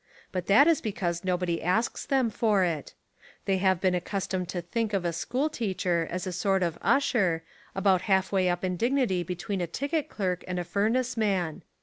But that is because nobody asks them for it. They have been accustomed to think of a school teacher as a sort of usher, about half way up in dignity between a ticket clerk and a furnace man.